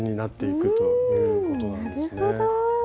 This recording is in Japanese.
なるほど。